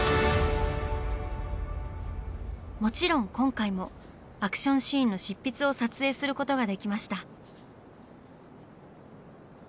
もちろん今回もアクションシーンの執筆を撮影することができました。